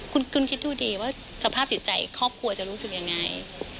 คุณคิดดูดีว่าสภาพจิตใจครอบครัวจะรู้สึกยังไง